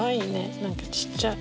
なんかちっちゃい。